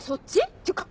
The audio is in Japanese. っていうか